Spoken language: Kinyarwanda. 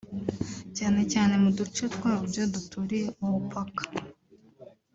cyane cyane mu duce twabyo duturiye umupaka